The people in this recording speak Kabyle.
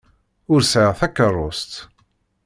Ur sɛiɣ takeṛṛust.